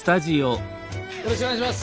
よろしくお願いします。